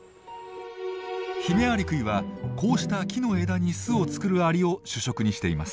ヒメアリクイはこうした木の枝に巣を作るアリを主食にしています。